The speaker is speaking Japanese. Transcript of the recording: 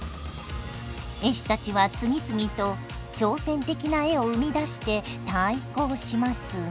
絵師たちは次々と挑戦的な絵を生み出して対抗します。